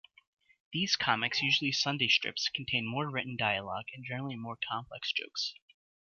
These comics, usually Sunday strips, contain more written dialogue and generally more complex jokes.